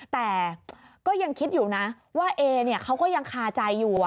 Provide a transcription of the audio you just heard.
แต่ก็ยังคิดอยู่นะว่าเอเขาก็ยังคาใจอยู่